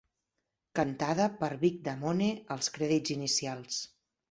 Cantada per Vic Damone als crèdits inicials.